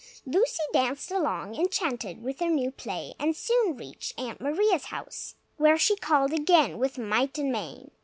Lucy danced along, enchanted with her new play, and soon reached Aunt Maria's house, where she called again, with might and main.